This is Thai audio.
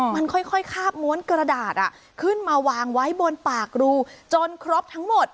มันค่อยคาบม้วนกระดาษขึ้นมาวางไว้บนปากรูจนครบทั้งหมด